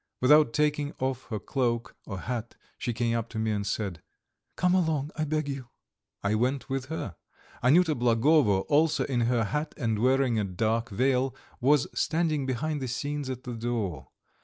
Without taking off her cloak or hat, she came up to me and said: "Come along, I beg you." I went with her. Anyuta Blagovo, also in her hat and wearing a dark veil, was standing behind the scenes at the door.